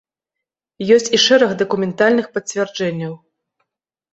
Ёсць і шэраг дакументальных пацвярджэнняў.